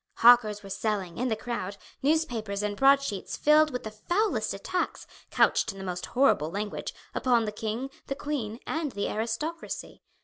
Hawkers were selling, in the crowd, newspapers and broadsheets filled with the foulest attacks, couched in the most horrible language, upon the king, the queen, and the aristocracy.